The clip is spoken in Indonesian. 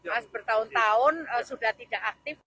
mas bertahun tahun sudah tidak aktif